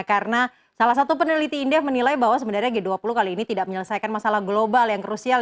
karena salah satu peneliti indef menilai bahwa sebenarnya g dua puluh kali ini tidak menyelesaikan masalah global yang krusial